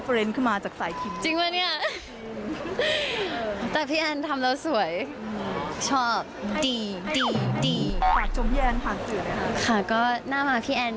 พี่แอนเขาไปตัดตามเราเลย